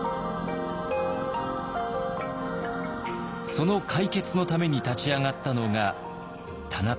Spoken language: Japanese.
その解決のために立ち上がったのが田中正造です。